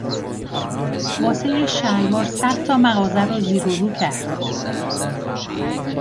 واسه یه شلوار صد تا مغازه رو زیر و رو کرد